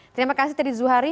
terima kasih tadi zuhari